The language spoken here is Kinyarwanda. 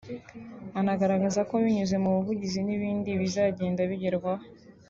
anagaragaza ko binyuze mu buvugizi n’ibindi bizagenda bigerwaho